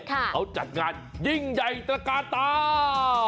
เขาจัดงานยิ่งใหญ่ตระกาตา